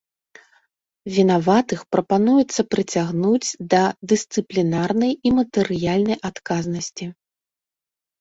Вінаватых прапануецца прыцягнуць да дысцыплінарнай і матэрыяльнай адказнасці.